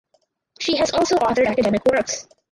She has also authored academic works.